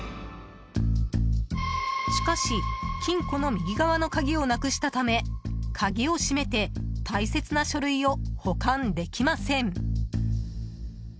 しかし金庫の右側の鍵をなくしたため鍵を閉めて大切な書類を保管できません。